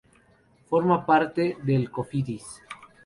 Forma parte del Cofidis.